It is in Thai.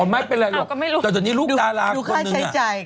อ๋อไม่เป็นไรหรอกแต่ตอนนี้ลูกดาราคนหนึ่ง